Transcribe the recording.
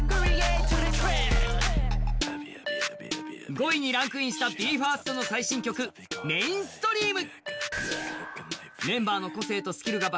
５位にランクインしたＢＥ：ＦＩＲＳＴの最新曲、「Ｍａｉｎｓｔｒｅａｍ」。